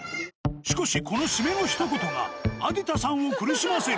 しかし、この締めのひと言がアディタさんを苦しませる。